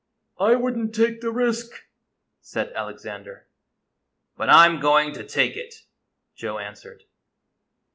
" I would n't take the risk," said Alexander. " But I 'm going to take it," Joe answered.